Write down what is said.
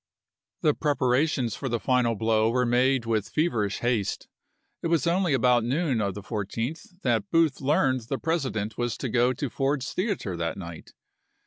The preparations for the final blow were made with feverish haste ; it was only about noon of the 14th that Booth learned the President was to go to Ford's Theater that night.